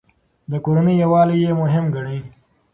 د کورنۍ يووالی يې مهم ګاڼه.